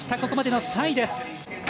ここまでの３位です。